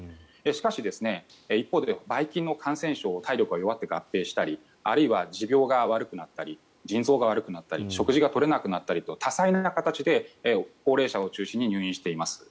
しかし、一方でばい菌の感染症体力が弱って感染したりあるいは持病が悪くなったり腎臓が悪くなったり食事が取れなくなったりと多彩な形で高齢者を中心に入院しています。